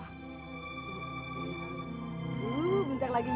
oh bentar lagi